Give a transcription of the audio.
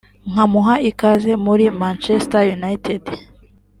nkamuha ikaze muri Manchester United